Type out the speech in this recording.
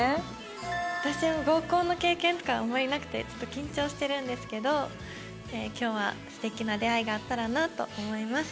私も合コンの経験とかあまりなくてちょっと緊張してるんですけど今日は素敵な出会いがあったらなと思います。